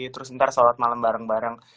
terus sebentar sholat malam bareng bareng